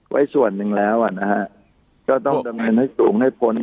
ไว้ส่วนหนึ่งแล้วอ่ะนะฮะก็ต้องดำเนินให้สูงให้พ้น